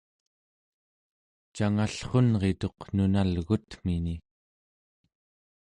cangallrunrituq nunalgutmini